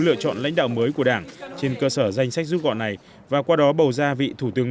lựa chọn lãnh đạo mới của đảng trên cơ sở danh sách rút gọn này và qua đó bầu ra vị thủ tướng